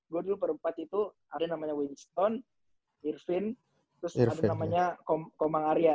gue dulu berempat itu ada namanya winston irvin terus ada namanya komang arya